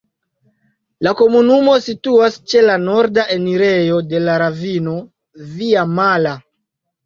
La komunumo situas ĉe la norda enirejo de la ravino Via-Mala.